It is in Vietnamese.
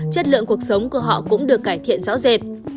chất lượng cuộc sống của họ cũng được cải thiện rõ rệt